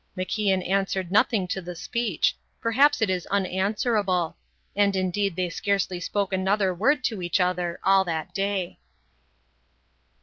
MacIan answered nothing to the speech; perhaps it is unanswerable. And indeed they scarcely spoke another word to each other all that day.